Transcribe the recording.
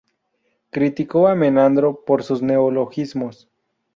Criticó a Menandro, por sus neologismos.